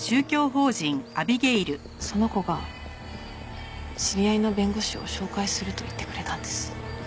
その子が知り合いの弁護士を紹介すると言ってくれたんです。